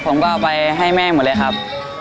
ผมก็เอาไปให้แม่หมดเลยครับ